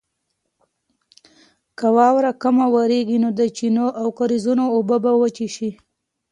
که واوره کمه وورېږي نو د چینو او کاریزونو اوبه به وچې شي.